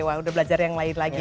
wah udah belajar yang lain lagi